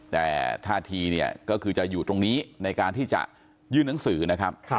แต่ท่าทีเนี่ยก็คือจะอยู่ตรงนี้ในการที่จะยื่นหนังสือนะครับ